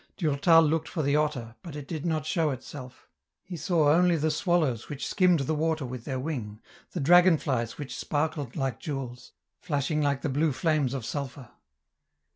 Durtal looked for the otter, but it did not show itself ; he saw only the swallows which skimmed the water with their wing, the dragon flies which sparkled like jewels, flashing like the blue flames of sulphur.